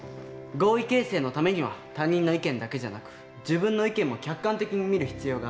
合意形成のためには他人の意見だけじゃなく自分の意見も客観的に見る必要がある。